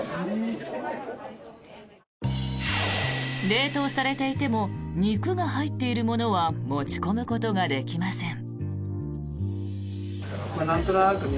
冷凍されていても肉が入っているものは持ち込むことができません。